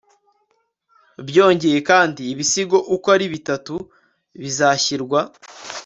byongeye kandi, ibisigo uko ari bitatu bizashyirwa